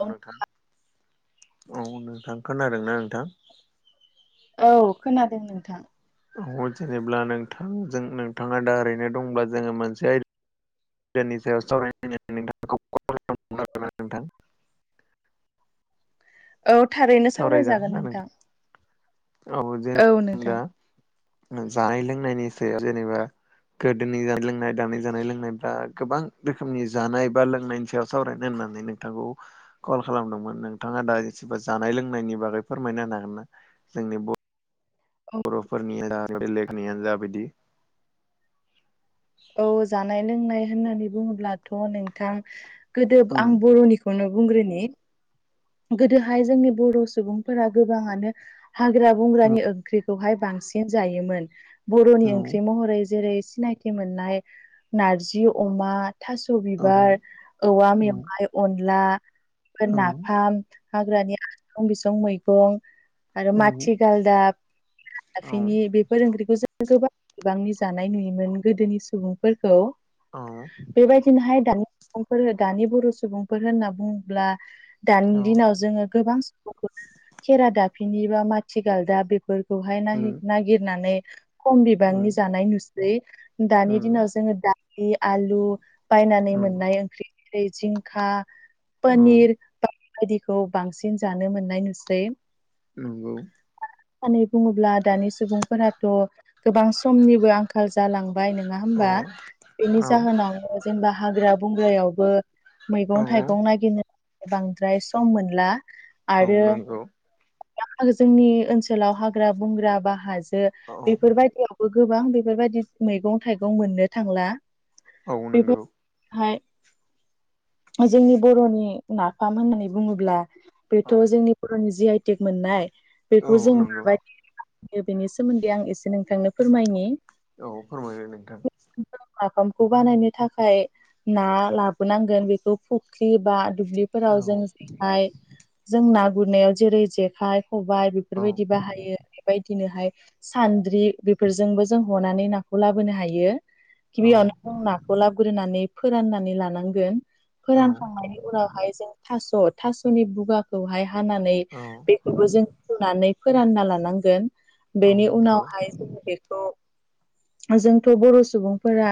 औ नोंथां औ नोंथां खोनादों ना नोंथां औ खोनादों नोंथां जेनेब्ला नोंथांजों नोंथाङा दा ओरैनो दंब्ला जोङो मोनसे आयदा नि सायाव सावरायनानै नोंथां गोन नोंथां औ थारैनो सावरायज सावरायजागोन नोंथां औ जेने [unintelligible] दा जानाय लोंनायनि सायाव जेनेबा गोदोनि जानाय लोंनाय दानाय जानाय लोंनायफ्रा गोबां रोखोमनि जानाय बा लोंनायनि सायाव सावरायनाय होननानै नों थांखौ कल खालामदोंमोन नोंथाङा दा जानाय लोंनायनि बागै फोरमायना होनो हागोन ना जोंनि औ बर'फोरनियानो जा बेलेकनियानो जा बिदि औ जानाय लोंनाय होननानै बुङोब्लाथ' नोंथां गोदो औ आं बर'नि खौनो बुंग्रोनि गोदोहाय जोंनि बर' सुबुंफोरा गोबाङानो हाग्रा बंग्रानि ओंख्रिखौहाय बांसिन जायोमोन बर'नि औ ओंख्रि महरै जेरै सिनायथि मोननाय नारजि अमा थास' औ औ बिबार औवा औ मेवाइ अनला बेफोर नाफाम हाग्रानि [unintelligible] बिसं मैगं आरो औ माथि गालदाब औ खेरादाफिनि बेफोर ओंख्रिखौ जों गोबां बिबांनि जानाय नुयोमोन गोदोनि सुबुंफोरखौ नंगौ बेबायदि बिदिनोहाय दानि सुबुंफोर दानि बर' सुबुंफोर होनना बुङोब्ला दानि दिनाव औ जोङो गोबां सुबुं खेरादाफिनि बा माथि गालदाब बेफोर खौहाय नागिरनानै खम बिबांनि जानाय नुसै दानि दिनाव जोङो दालि आलु बायनानै मोननाय ओंख्रि जिंखा औ पनिर बायदिखौ बांसिन जानो मोननाय नुसै नंगौ होननानै बुङोब्ला दानि सुबुंफोराथ' गोबां समनिबो आंखाल जायो नङा औ होमबा बेनि जाहोनाव जेनेबा हाग्रा बंग्रायावबो मैगं थाइगं नागिरनो बांद्राय सम मोनला आरो जोंनि ओनसोलाव हाग्रा बंग्रा बा हाजो बेफोरबायदियाव गोबां बेफोरबायदि मैगं थाइगं मोननो थांला औ नंगौ हाय [unintelligible] जोंनि बर'नि नाफाम होननानै बुङोब्ला बेथ' जोंनि बर'नि जि आइ टेक मोननाय औ बेखौ जों नंगौ माबायदि बानायो बेनि सोमोन्दै आं एसे नोंथांनो फोरमायनि औ फोरमायलाय नोंथां नाफामखौ बानायनो थाखाय ना लाबोनांगोन बेखौ फुख्रि बा औ दुब्लिफोराव जों जेखाय जों ना गुरनायाव जेरै जेखाय खबाइ औ बेफोरबायदि बाहायो बेबायदिनोहाय सान्द्रि बेफोरजोंबो जों हनानै नाखौ लाबोनो हायो औ गिबियावनो जों नाखौ लाग्रोनानै फोराननानै लानांगोन औ फोरानखांनायनि उनाव ओमफाय जों थास' थास'नि बुगाखौहाय हानानै औ बेखौबो जों होननानै फोरानना लानांगोन औ बेनि नंगौ उनावहाय जों बेखौ जोंथ' बर' सुबुंफोरा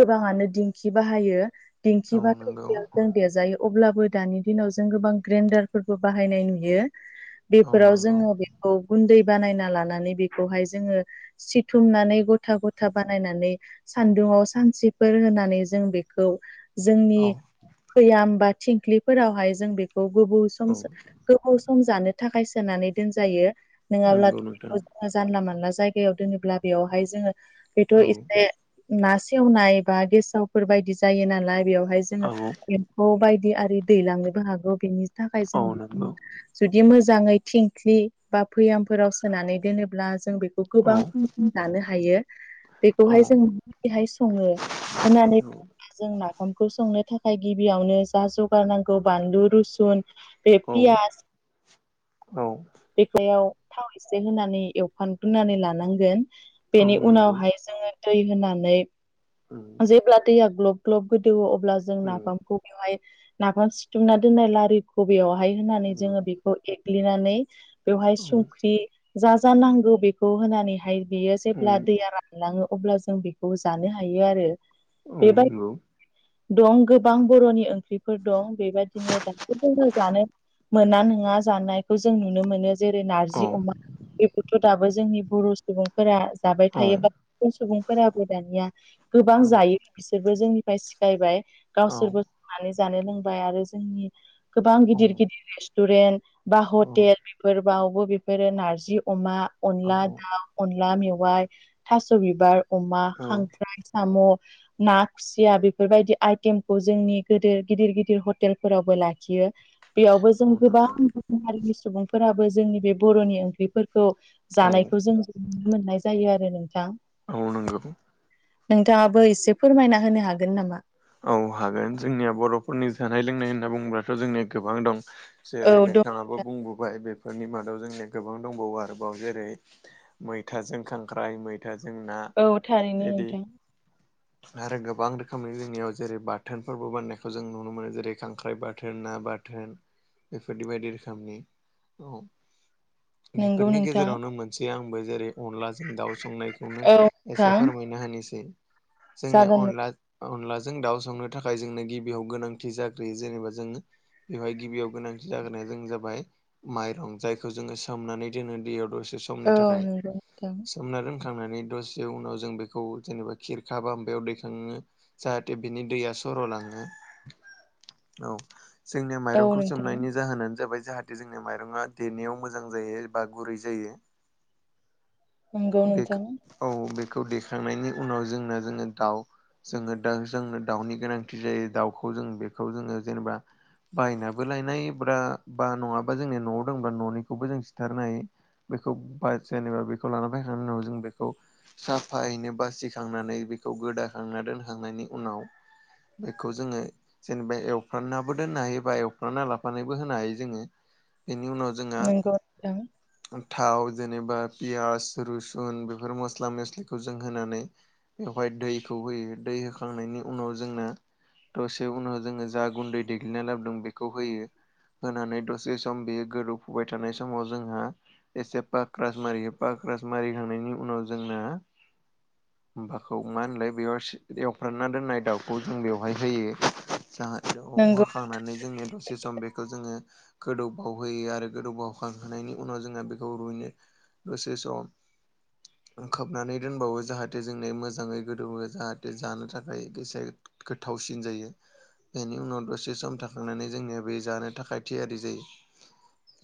गोबाङानो दिंखि बाहायो औ दिंखि बाथ' नंगौ जों देजायो अब्लाबो दानि दिनाव जों गोबां ग्रेनडारफोरबो बाहायनाय नुयो औ बेफोराव नंगौ जोङो बे गुन्दै बानायना लानानै बेखौहाय जोङो सिथुमनानै गथा गथा गथा बानायनानै सान्दुङाव सानसे फोर होनानै जों बेखौ औ भैयाम बा थिंख्लिफोरावहाय जों बेखौ गोबाव सम औ गोबाव सम जानो थाखाय सोनानै दोनजायो नंगौ नङाब्लाथ' नोंथां जो जानला मानला जायगा [unintelligible] दोनोब्ला बेयावहाय जोङो बेथ' औ एसे ना सेवनाय बा गेसावफोर बायदि जायो नालाय बेवहाय जों औ एम्फौ बायदि आरि दैलांनोबो हागौ बेनि थाखाय औ जों बि नंगौ जुदि मोजाङै थिंख्लि बा भैयामफोराव सोनानै दोनोब्ला जों बेखौ औ गोबां सम जानो हायो औ बेखौहाय जों सङो होननानै जों नाफामखौ संनो थाखाय गिबियावनो जा जगार नांगौ बानलु रुसुन बे औ औ बेयाव थाव एसे होनानै एवफानग्रोननानै लानांगोन औ बेनि नंगौ उनावहाय जोङो दै होनानै उम जेब्ला दैया ग्लब ग्लब गोदौवो अब्ला जों नाफामखौ बेवहाय नाफाम सिथुमना दोननाय लारि खबियावहाय होनानै जोङो बेखौ एग्लिनानै बेवहाय संख्रि जा जा नांगौ बेखौ होनानैहाय बियो जेब्ला दैया रान लाङो अब्ला जों बेखौ जानो हायो आरो औ बेबाय नंगौ दं गोबां बर'नि ओंख्रिफोर दं बेबायदिनो [unintelligible] जोङो जानो मोना नोङा जानायखौ जों नुनो मोनो जेरै नारजि अमा बेखौथ दाबो जोंनि बर' सुबुंफोरा जाबाय थायो बा गुबुन सुबुंफोराबो दानिया गोबां जायो बिसोरबो जोंनिफ्राय सिखायबाय गावसोरबो संनानै जानो लोंबाय आरो जोंनि गोबां गिदिर गिदिर रेस्टुरेन्ट बा हटेल बेफोरबावबो बेफोरो नारजि अमा अनला दाउ अनला मेवाइ थास बिबार अमा खांख्राय साम ना खुसिया बि फोरबायदि आइटेमखौ जोंनि गोदिर गिदिर गिदिर हटेलफोरावबो लाखियो बेयावबो जों गोबां नंगौ गुबुन हारिनि सुबुंफोराबो जोंनि बे बर'नि ओंख्रिफोर खौ औ जानायखौ जों नुनो मोननाय जायो आरो नोंथां आं नोंगौ नोंथाङाबो एसे फोरमायना होनो हागोन नामा औ हागोन जोंनिया बर'फोरनि जानाय लोंनाय होनना बुंङोब्लाथ जोंनिया गोबां दं औ जेरै दं नोंथाङाबो बुंबोबाय बेफोरनि मादाव जोंनिया गोबां दंबावो आरोबाव जेरै मैथाजों खांख्राइ मैथाजों ना औ थारैनो बिदि नोंथां आरो गोबां रोखोमै जोंनियाव जेरै बाथोनफोरबो बाननायखौ जों नुनो मोनो जेरै खांख्राइ बाथोन ना बाथोन बेफोरदि बायदि रोखोमनि औ नंगौ बेफोरनि नोंथां गेजेरावनो मोनसे आंबो जेरै अनलाजों दाउ संनाय खौनो औ नोंथां फोरमाय होनसै जोंनिया जागोन अनला अनला जों दाउ संनो थाखाय जोंनो गिबियाव गोनांथि जाग्रोयो जेनेबा जोङो बेवहाय गिबियाव गोनांथि जागोना जों जाबाय माइरं जायखौ जोङो सोमनानै दोनो दैयाव दसे सम समनि औ थाखाय नंगौ सोमना दोनखांनानै दसे उनाव जों बेखौ जेनेबा खिरखा माबायाव दैखाङो जा हाथे बिनि दैया सरलाङो औ जोंनिया नोंथां औ माइरंखौ नोंथां सोमनायनि जाहोनानो जाबाय जाहाथे बि जोंनि माइरङा देनायाव मोजां जायो बा गुरै जायो नंगौ बेखो नोंथां औ बेखौ देखांनायनि उनाव जोंना जोङो दाउ जोङो दा जोंनो दाउनि गोनांथि जायो दाउखौ जों बेखौ जोङो जेनेबा बायनाबो लायनाय ब्रा बा नङाबा जोंनि न'आव दंबा न'निखौबो जों सिथारनो होयो बेखौ बा जेनेबा बेखौ लाना फायखांनायनि उनाव जों बेखौ साफायैनो बासिखांनानै बेखौ गोदाखांना दोनखांनायनि उनाव बेखौ जोङो जेनेबा एवफ्राम नाबो दोनना हायो बा एवफ्रामना लाफानानैबो होनो हायो जोङो बेनि उनाव जोंहा नंगौ नोंथां थाव जेनेबा पियास रुसुन बेफोर मस्ला मस्लिखौ जों होनानै बेवहाय दैखौ होयो दै होखांनायनि उनाव जोंना दसे उनाव जोङो जा गुन्दै देग्लिना लाबोदों बेखौ होयो होनानै दसे सम बेयो गोदौफुबाय थानाय समाव जोंहा एसे पाक्रास मारियो पाक्रास मारिखांनायनि उनाव जोंना माबाखौ नङा होनलाय बेयाव सो बिदि एवफ्राना दोननाय दाउखौ जों बेवहाय होयो जाहा बेयाव होखा नंगौ खांनानै जोंनि दसे सम बेखौ जोङो गोदौ बावहोयो आरो गोदौ बावखांहोनायनि उनाव जोंहा बेखौ रुयनो दसे सम खोबनानै दोनबावो जाहाथे जोंनि मोजाङै गोदौवो जाहा दे जानो थाखाय एसे गोथावसिन जायो बेनि उनाव दसे सम थाखांनानै जोंनिया बे जानो थाखाय थियारि जायो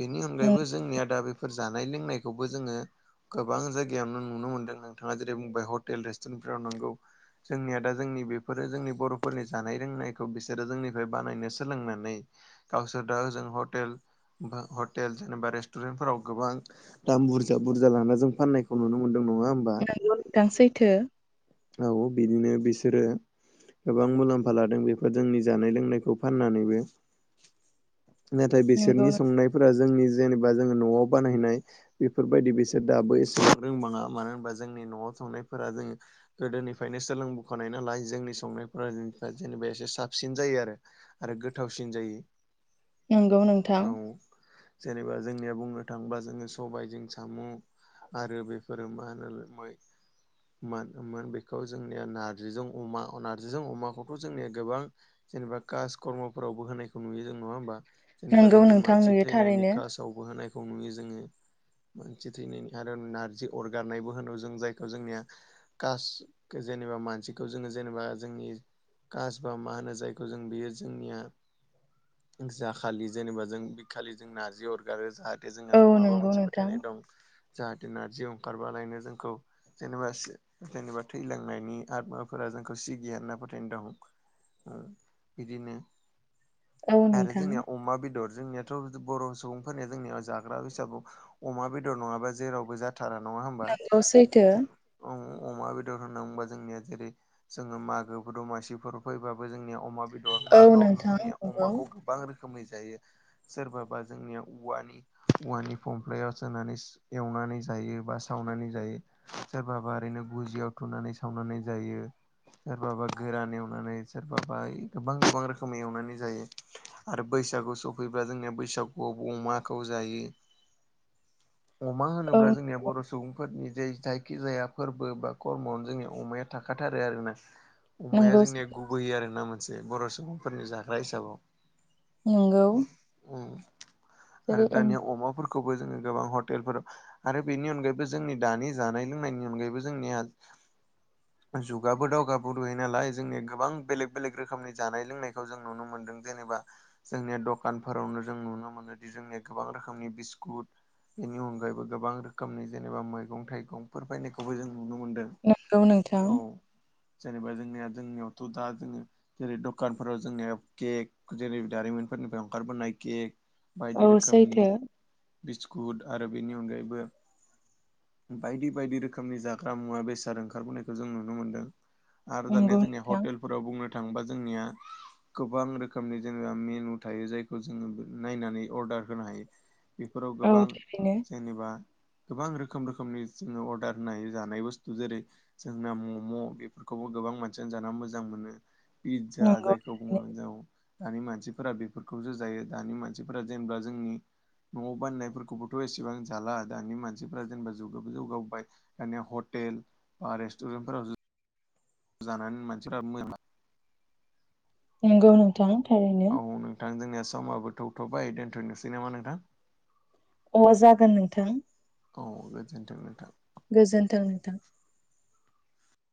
बेनि अनगायैबो जोंनिया दा बेफोर जानाय लोंनायखौबो जोङो गोबां जायगायावनो नुनो मोनदों नोंथाङा जेरै बुंबाय हटेल रेस्टुरेन्टफ्राव नोंगौ जोंनिया दा जोंनि बेफोरो जोंनि बर'फोरनि जानाय रोंनायखौ बिसोरो जोंनिफ्राय बानायनो सोलोंनानै गावसोर दाहोजों हटेल हटेल जेनेबा रेस्टुरेन्टफोराव गोबां दाम बुरजा बुरजा लाना जों फाननायखौ नुनो मोन्दों नङा होम नोंगौ नोंथां सैथो औ बिदिनो बिसोरो गोबां मुलाम्फा लादों बेफोर जोंनि जानाय लोंनायखौ फाननानैबो नाथाय नंगौ बेसोरनि संनायफोरा जोंनि जेनेबा जोङो न'आव बानायनाय बेफोरबायदि बिसोर दा बै एसेबां रोंबाङा मानो होनबा जोंनि न'आव थांनायफोरा जोङो गोदोनि फ्रायनो सोलोंबोखानाय नालाय जोंनि संनायफोरा जेनेबा एसे साबसिन जायो आरो आरो गोथावसिन जायो नंगौ नोंथां औ जेनेबा जोंनिया बुंनो थाङोबा जोङो सबाइजों साम' आरो बेफोरो मा होनो मै मोन मोन बे खौ जोंनिया नार्जिजों अमा नार्जिजों अमाखौथ' जोंनिया गोबां जेनेबा कास कर्मफोरावबो होनायखौ नुयो जों नङा होमबा जेनेबा नंगौ जोंनि नोंथां मानसि नुयो थैनायनि थारैनो कास दावबो होनायखौ नुयो जोङो मानसि थैनायनि आरो नारजि अरगारनायबो होनो जों जायखौ जोंनिया कास जेनेबा मानसिखौ जोङो जेनेबा जोंनि कास बा मा होनो जायखौ जों बेयो जोंनिया जाखालि जेनेबा जों बिखालि जों नारजि अरगारो जाहाथे औ जोंहा माबा नंगौ मोनसे नोंथां। फोथायनाय दं जाहाथे नारजि अखारबालायनो जोंखौ जेनेबा जेनेबा थैलांनायनि आदमाफोरा जोंखौ सिगिया होनना फोथायनाय दं बिदिनो औ आरो नोंथां। जोंनिया अमा बेदर जोंनियाथ' बर' सुबुंफोरनिया जोंनियाव जाग्रा हिसाबाव अमा बेदर नङाबा जेरावबो जा थारा नङा होमबा नंगौ सैथो औ अमा बे दर होनना बोबा जोंनिया जेरै जोङो मागो दमासिफोर फैबाबो जोंनिया अमा बे दर औ मागोआवथ' नोंथां जोंनिया नंगौ अमाखौ गोबां रोखोमै जायो सोरबाबा जोंनिया औवानि औवानि फंफ्लायाव सोनानै एवनानै जायो बा सावनानै जायो सोरबाबा ओरैनो गुजियाव थुनानै सावनानै जायो सोरबाबा गोरान एवनानै सोरबाबा गोबां गोबां रोखोमै एवनानै जायो आरो बैसागु सफैब्ला जोंनिया बैसागुआव अमाखौ जायो अमा औ होनोब्ला जोंनिया बर' सुबुंफोरनि जे जायखिजाया फोरबो बा खर्मआवनो जोंनि अमाया थाखाथारो आरोना अमाया नंगौ जोंनिया सैथो [unintelligible] आरोना मोनसे बर' सुबुंफोरनि जाग्रा हिसाबाव नंगौ उम आरो जेरै दानिया अमाफोर खौबो जोङो गोबां हटेलफोराव आरो बेनि अनगायैबो जोंनि दानि जानाय लोंनायनि अनगायैबो जोंनिया जुगाबो दावगाब नालाय जोंनिया गोबां बेलेग बेलेग रोखोमनि जानाय लोंनाय खौ जों नुनो मोनदों जेनेबा जोंनिया दखानफोरावनो जों नुनो मोनोदि जोंनिया गोबां रोखोमनि बिस्कुट बेनि अनगायैबो गोबां रोखोमनि जेनेबा मैगं थाइगंफोर बायनायखौबो जों नुनो मोनदों नंगौ नोंथां औ जेनेबा जोंनिया जोंनियावथ' दा जोङो जेरै दखानफोराव जोंनियाव केक जेरै दारिमिनफोरनिफ्राय ओंखारबोनाय केक बायदि औ रोखोमनि सैथो बिस्कुट आरो बेनि अनगायैबो बायदि बायदि रोखोमनि जाग्रा मुवा बेसाद सार ओंखारबोनायखौ जों नुनो मोनदों आरो नंगौ दानिया जोंनिया नोंथां हटेलफोराव बुंनो थाङोबा जोंनिया गोबां रोखोमनि जेनेबा मेनु थायो जायखौ जोङो नायनानै अर्डार होनो हायो बेफोराव औ गोबां थारैनो जेनेबा गोबां रोखोम रोखोमनि जोङो अर्डार होनाय जानाय बुस्थु जेरै जोंना मम' बेफोरखौबो गोबां मानसियानो जा मोजां मोनो पिज्जा नंगौ जायखौ बुङो थारैनो हिनजाव दानि मानसिफोरा बेफोरखौसो जायो दानि मानसिफोरा जेनेबा जोंनि न'आव बान्नायफोरखौबोथ' एसेबां जाला दानि मानसिफ्रा जेनेबा जौगाबो जौगाबोबाय हटेल रेस्टुरेनफोराव जानानै मानसिफ्रा नंगौ नोंथां थारैनो औ नोंथां जोंनिया समाबो थौथ'बाय दोनथ'नोसै नामा नोंथां अ जागोन नोंथां औ गोजोन्थों नोंथां गोजोन्थों नोंथां